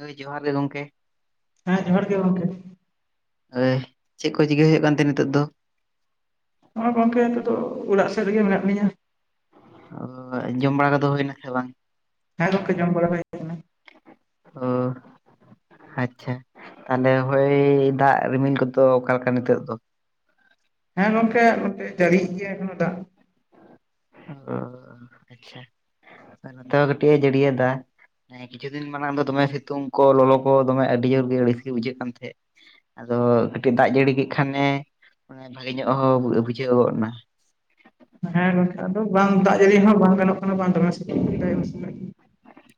ᱦᱳᱭ ᱡᱚᱦᱟᱨ ᱜᱮ ᱜᱚᱢᱠᱮ᱾ ᱦᱮᱸ ᱡᱚᱦᱟᱨ ᱜᱮ ᱜᱚᱢᱠᱮ᱾ ᱮ ᱪᱮᱫ ᱠᱚ ᱪᱤᱠᱟᱹ ᱦᱩᱭᱩᱜ ᱠᱟᱱ ᱛᱟᱦᱮᱸ ᱱᱤᱛᱚᱜ ᱫᱚ? ᱦᱚᱸ ᱜᱚᱢᱠᱮ ᱱᱤᱛᱚᱜ ᱫᱚ ᱚᱲᱟᱜ ᱥᱮᱫ ᱨᱮᱜᱮ ᱢᱮᱱᱟᱜ ᱞᱤᱧᱟᱹ᱾ ᱚ ᱡᱚᱢ ᱵᱟᱲᱟ ᱠᱚᱫᱚ ᱦᱩᱭ ᱱᱟ ᱥᱮ ᱵᱟᱝ? ᱦᱮᱸᱠᱮ ᱡᱚᱢ ᱵᱟᱲᱟ᱾ ᱟᱠᱟᱱᱟ ᱚᱻ ᱟᱪᱪᱷᱟ ᱛᱟᱦᱚᱞᱮ ᱦᱳᱭ ᱫᱟᱜ ᱨᱤᱢᱤᱞ ᱠᱚᱫᱚ ᱚᱠᱟ ᱞᱮᱠᱟ ᱱᱤᱛᱳ ᱫᱚ? ᱦᱮᱸ ᱜᱚᱢᱠᱮ ᱱᱚᱛᱮ ᱡᱟᱹᱲᱤ ᱜᱮᱭᱟ ᱱᱤᱛᱚᱜ ᱫᱟᱜ᱾ ᱚ ᱟᱪᱪᱷᱟ ᱱᱚᱛᱮ ᱦᱚᱸ ᱠᱟᱹᱴᱤᱡᱼ ᱮ ᱡᱟᱹᱲᱤᱭ ᱫᱟ᱾ ᱦᱮᱸ ᱠᱤᱪᱷᱩ ᱫᱤᱱ ᱢᱟᱲᱟᱝ ᱫᱚᱢᱮ ᱥᱤᱛᱩᱝ ᱠᱚ ᱞᱚᱞᱚ ᱠᱚ ᱫᱚᱢᱮ ᱟᱹᱰᱤ ᱡᱳᱨ ᱜᱮ ᱨᱟᱹᱥᱠᱟᱹ ᱵᱩᱡᱷᱟᱹᱜ ᱠᱟᱱ ᱛᱟᱦᱮᱸᱫ᱾ ᱟᱫᱚ ᱠᱟᱹᱴᱤᱡ ᱫᱟᱜ ᱡᱟᱹᱲᱤ ᱠᱮᱫ ᱠᱷᱟᱱᱮ ᱵᱷᱟᱜᱮ ᱧᱚᱜ ᱦᱚᱸ ᱵᱩᱡᱷᱟᱹᱣ ᱜᱚᱫ ᱮᱱᱟ᱾ ᱦᱮᱸ ᱜᱚᱢᱠᱮ ᱟᱫᱚ ᱵᱟᱝ ᱫᱟᱜ ᱡᱟᱹᱲᱤ ᱦᱚᱸ ᱵᱟᱝ ᱜᱟᱱᱚᱜ ᱠᱟᱱᱟ ᱵᱟᱝ ᱫᱚᱢᱮ ᱥᱤᱛᱩᱝ ᱠᱮᱫᱟᱭ ᱩᱱ ᱥᱚᱢᱚᱭ ᱾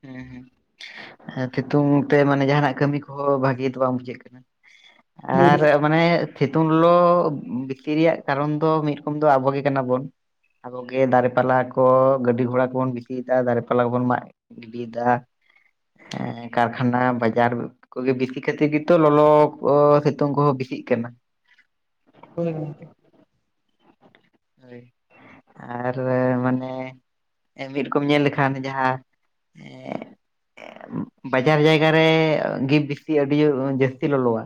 ᱦᱮᱸ ᱦᱮᱸ ᱾ ᱦᱮᱸ ᱥᱤᱛᱩᱝ ᱛᱮ ᱢᱟᱱᱮ ᱡᱟᱦᱟᱱᱟᱜ ᱠᱟᱹᱢᱤ ᱠᱚᱦᱚᱸ ᱵᱷᱟᱹᱜᱤ ᱫᱚ ᱵᱟᱝ ᱵᱩᱡᱷᱟᱹᱜ ᱠᱟᱱᱟ ᱾ [inaudible] ᱦᱳᱭ ᱟᱨ ᱢᱟᱱᱮ ᱥᱤᱛᱩᱝ ᱞᱚᱞᱚ ᱵᱤᱥᱤ ᱨᱮᱭᱟᱜ ᱠᱟᱨᱚᱱ ᱫᱚ ᱢᱤᱫ ᱨᱚᱠᱚᱢ ᱫᱚ ᱟᱵᱚ ᱜᱮ ᱠᱟᱱᱟ ᱵᱚᱱ ᱾ ᱟᱵᱚᱜ ᱜᱮ ᱫᱟᱨᱮ ᱯᱟᱞᱦᱟ ᱠᱚᱻ ᱜᱟᱹᱰᱤ ᱜᱷᱚᱲᱟ ᱠᱚᱵᱚᱱ ᱵᱤᱥᱤᱭᱮᱫᱟ ᱫᱟᱨᱮ ᱯᱟᱞᱦᱟ ᱠᱚᱵᱚᱱ ᱢᱟᱜ ᱜᱤᱰᱤ ᱮᱫᱟ [inaudible] ᱦᱮᱸ ᱠᱟᱨᱠᱷᱟᱱᱟ ᱵᱟᱡᱟᱨ ᱠᱚᱜᱮ ᱵᱮᱥᱤ ᱠᱷᱟᱹᱛᱤᱨ ᱜᱮᱛᱚ ᱞᱚᱞᱚ, ᱥᱤᱛᱩᱝ ᱠᱚᱦᱚᱸ ᱵᱮᱥᱤᱜ ᱠᱟᱱᱟ ᱾ ᱦᱳᱭ ᱦᱚ ᱫᱟᱲᱮᱜ-ᱟ ᱾ [inaudible] ᱟᱨ ᱢᱟᱱᱮ ᱢᱤᱫ ᱨᱚᱠᱚᱢ ᱧᱮᱞ ᱞᱮᱠᱷᱟᱱ ᱡᱟᱦᱟᱸ [inaudible] ᱵᱟᱡᱟᱨ ᱡᱟᱭᱜᱟ ᱨᱮ ᱜᱮ ᱵᱮᱥᱤ ᱟᱹᱰᱤ ᱡᱳᱨ ᱡᱟᱹᱥᱛᱤ ᱞᱚᱞᱚᱣᱟ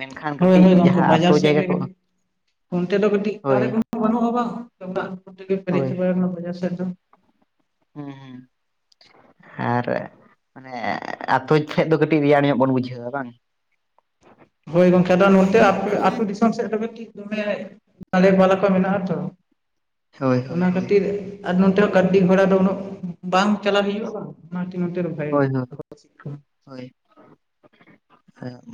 ᱢᱮᱱ ᱦᱳᱭ ᱦᱳᱭ ᱜᱚᱢᱠᱮ ᱵᱟᱡᱟᱨ ᱥᱮᱫ ᱜᱮ ᱠᱟᱹ [inaudible] ᱚᱱᱛᱮ ᱫᱚ ᱠᱟᱹᱴᱤᱡ ᱦᱳᱭ ᱫᱟᱨᱮ ᱠᱚ ᱵᱟᱹᱱᱩᱜ-ᱟ ᱵᱟᱝ ᱚᱱᱠᱟ [unintelligible] ᱛᱮᱜᱮ ᱯᱮᱨᱮᱡ ᱦᱳᱭ ᱪᱟᱵᱟ ᱟᱠᱟᱱᱟ ᱵᱟᱡᱟᱨ ᱥᱮᱫ ᱫᱚ ᱾ ᱦᱮᱸ ᱦᱮᱸ ᱾ [inaudible] ᱟᱨ ᱢᱟᱱᱮ ᱟᱛᱳ ᱴᱷᱮᱡ ᱫᱚ ᱠᱟᱹᱴᱤᱡ ᱨᱮᱭᱟᱲ ᱧᱚᱜ ᱵᱚᱱ ᱵᱩᱡᱷᱟᱹᱣᱟ ᱵᱟᱝ? [inaudible] ᱦᱳᱭ ᱜᱚᱝᱠᱮ ᱟᱫᱚ ᱱᱚᱛᱮ [unintelligible] ᱟᱹᱛᱩ ᱫᱤᱥᱚᱢ ᱥᱮᱫ ᱫᱚ [unintelligible] [unintelligible] ᱠᱚ ᱢᱮᱱᱟᱜ-ᱟ ᱛᱚ ᱦᱳᱭ [inaudible] ᱦᱳᱭ ᱚᱱᱟ ᱦᱳᱭ᱾ ᱠᱷᱟᱹᱛᱤᱨ ᱟᱨ ᱱᱚᱛᱮ ᱦᱚᱸ ᱜᱟᱹᱰᱤ ᱜᱷᱚᱲᱟ ᱫᱚ ᱩᱱᱟᱹᱜ ᱵᱟᱝ ᱪᱟᱞᱟᱜ ᱦᱩᱭᱩᱜ-ᱟ ᱵᱟᱝ ᱚᱱᱟ [unintelligible] ᱵᱷᱟᱜᱮ ᱦᱳᱭ ᱜᱮ [unintelligible] ᱦᱳᱭ ᱾ [inaudible]